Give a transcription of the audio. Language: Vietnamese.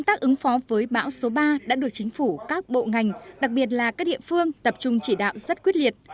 bão số ba đã được chính phủ các bộ ngành đặc biệt là các địa phương tập trung chỉ đạo rất quyết liệt